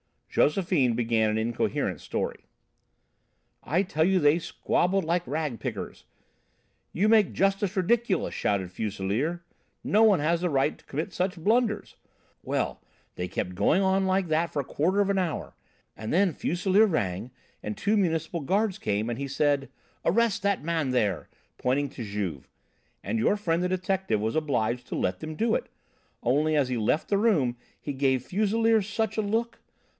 Josephine began an incoherent story. "I tell you they squabbled like rag pickers! 'You make justice ridiculous,' shouted Fuselier. 'No one has the right to commit such blunders!' Well, they kept going on like that for a quarter of an hour. And then Fuselier rang and two Municipal guards came and he said: 'Arrest that man there!' pointing to Juve. And your friend the detective was obliged to let them do it. Only as he left the room he gave Fuselier such a look!